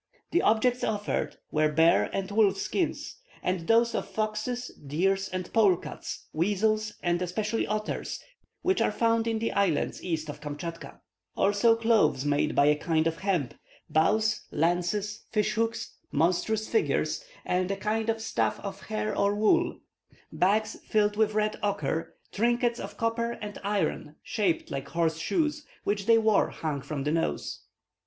The objects offered were bear and wolf skins, and those of foxes, deers, and polecats, weasels, and especially otters, which are found in the islands east of Kamschatka. Also clothes made of a kind of hemp, bows, lances, fish hooks, monstrous figures, and a kind of stuff of hair or wool, bags filled with red ochre, bits of sculptured wood, trinkets of copper and iron shaped like horse shoes, which they wore hung from the nose.